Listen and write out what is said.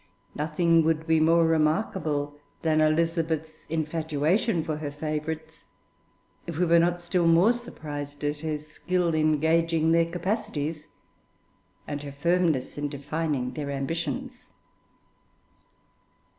Nothing would be more remarkable than Elizabeth's infatuation for her favourites, if we were not still more surprised at her skill in gauging their capacities, and her firmness in defining their ambitions.